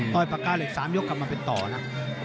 ปากกาเหล็ก๓ยกกลับมาเป็นต่อนะ